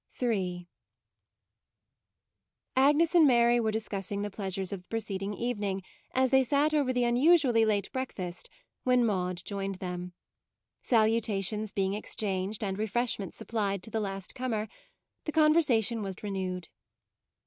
MAUDE 33 III AGNES and Mary were dis cussing the pleasures of the preceeding evening as they sat over the unusually late breakfast, when Maude joined them. Salutations being exchanged and re freshments supplied to the last comer, the conversation was renewed.